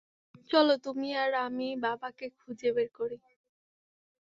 চলো তুমি আর আমি বাবাকে খুঁজে বের করি।